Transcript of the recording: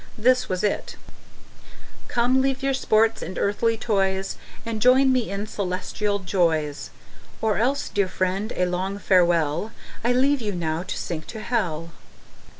This was it: Come, leave your sports and earthly toys And join me in celestial joys. Or else, dear friend, a long farewell. I leave you now to sink to hell.